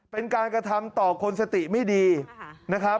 เป็นการกระทำต่อคนสติไม่ดีนะครับ